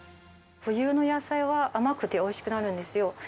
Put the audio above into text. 冬の野菜は甘くておいしくなるんですよ。